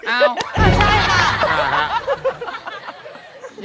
เอ้าอ๋อใช่ป่ะ